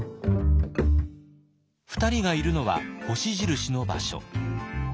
２人がいるのは星印の場所。